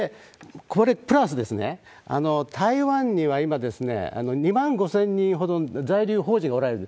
これプラス、台湾には今、２万５０００人ほど在留邦人がおられる。